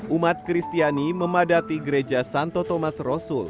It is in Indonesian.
umat kristiani memadati gereja santo thomas rasul